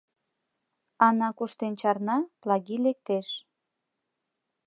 Ана куштен чарна, Плагий лектеш.